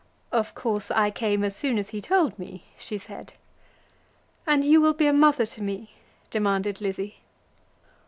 "Of course I came as soon as he told me," she said. "And you will be a mother to me?" demanded Lizzie.